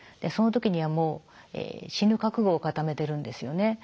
その時にはもう死ぬ覚悟を固めているんですよね。